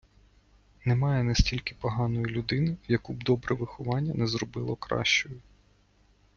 Немає настільки поганої людини, яку б добре виховання не зробило кращою.